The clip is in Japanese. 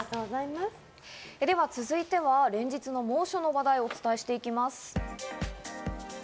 では続いては連日の猛暑の話題をお伝えしていきます。